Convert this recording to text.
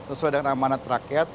sesuai dengan amanat rakyat